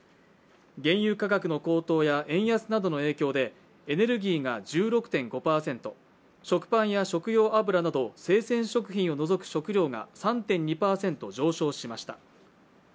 原油価格の高騰や円安などの影響でエネルギーが１６．５％、食パンや食用油など生鮮食品を除く食料が３．２％上昇しました。